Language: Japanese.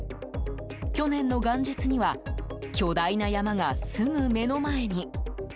去年の元日には巨大な山が、すぐ目の前に。